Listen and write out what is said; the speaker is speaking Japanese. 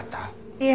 いえ。